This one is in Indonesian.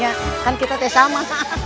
ya kita sama